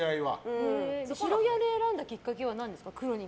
白ギャル選んだきっかけは何ですか？